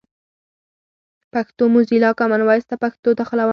پښتو موزیلا، کامن وایس ته پښتو داخلوم.